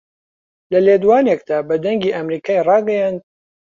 لە لێدوانێکدا بە دەنگی ئەمەریکای ڕاگەیاند